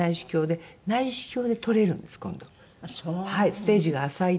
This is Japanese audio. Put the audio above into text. ステージが浅いと。